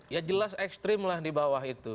ya jelas ekstrim lah di bawah itu